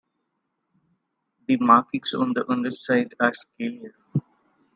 The markings on the underside are scalier.